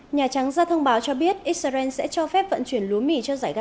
nhà trắng ra thông báo cho biết israel sẽ cho phép vận chuyển lúa mì